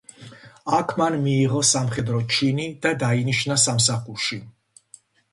აქ მან მიიღო სამხედრო ჩინი და დაინიშნა სამსახურში.